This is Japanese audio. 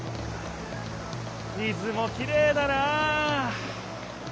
水もきれいだな！